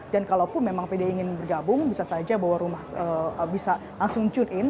dan kalau pun memang pdip ingin bergabung bisa saja bawa rumah bisa langsung tune in